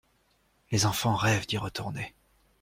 Les enfants rêves d'y retourner.